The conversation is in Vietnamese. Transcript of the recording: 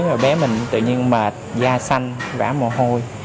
mà bé mình tự nhiên mệt da xanh vả mồ hôi